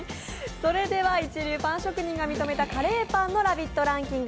それでは一流パン職人が認めたカレーパンのランキング